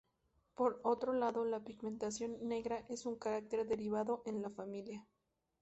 Por otro lado, la pigmentación negra es un carácter derivado en la familia.